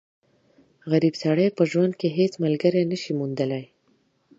غریب سړی په ژوند کښي هيڅ ملګری نه سي موندلای.